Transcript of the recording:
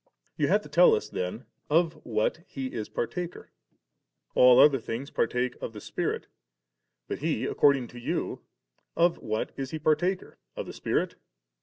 You have to tell us then, of what He is partaker3. All other things par take of the Spirit, but He, according to you, of what is He partaker? of the Spirit?